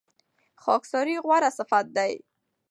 خاکساري غوره صفت دی.